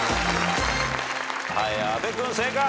はい阿部君正解。